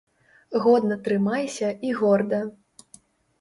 Годна трымайся і горда!